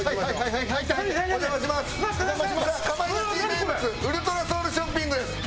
名物ウルトラソウルショッピングです。